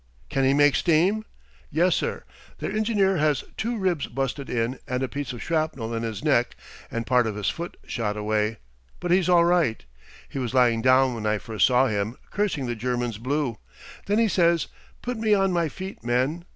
"Can he make steam?" "Yes, sir. Their engineer has two ribs busted in and a piece of shrapnel in his neck and part of his foot shot away. But he's all right. He was lying down when I first saw him, cursing the Germans blue. Then he says: 'Put me on my feet, men.'